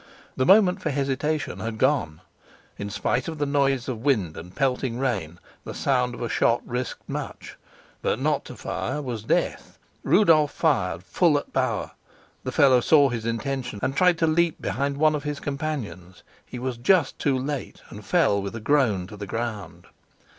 The moment for hesitation had gone. In spite of the noise of wind and pelting rain, the sound of a shot risked much; but not to fire was death. Rudolf fired full at Bauer: the fellow saw his intention and tried to leap behind one of his companions; he was just too late, and fell with a groan to the ground.